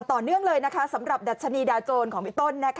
ต่อเรื่องเลยนะครับสำหรับดัชนีดาโจรของมิต้นนะคะ